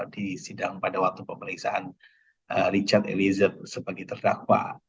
di sidang pada waktu pemeriksaan richard eliezer sebagai terdakwa